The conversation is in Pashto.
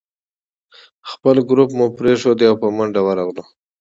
خپل ګروپ مو پرېښود او په منډه ورغلو.